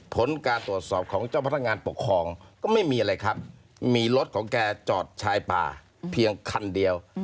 ผลการตรวจสอบของเจ้าพนักงานปกครองก็ไม่มีอะไรครับมีรถของแกจอดชายป่าเพียงคันเดียว